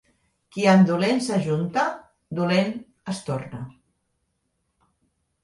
Qui amb dolents s'ajunta, dolent es torna.